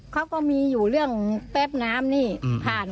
เขาก็มีอยู่เรื่องแป๊บน้ำนี่ผ่าน